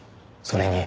それに。